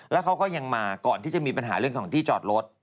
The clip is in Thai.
แล้วเขาก็ยังมาก่อนที่จะมีปัญหาเรื่องของที่จอดรถ